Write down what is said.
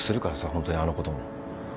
ホントにあのことも。